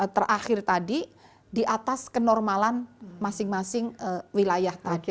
terakhir tadi di atas kenormalan masing masing wilayah tadi